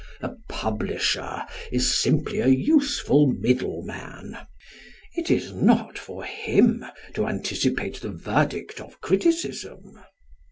A publisher is simply a useful middle man. It is not for him to anticipate the verdict of criticism.